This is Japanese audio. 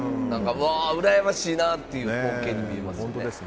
うらやましいなっていう光景に見えますね。